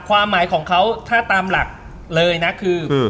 ความหมายของเขาถ้าตามหลักเลยนะคือ